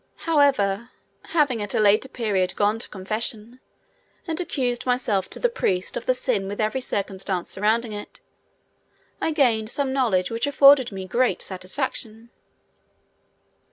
However, having at a later period gone to confession, and accused myself to the priest of the sin with every circumstance surrounding it, I gained some knowledge which afforded me great satisfaction.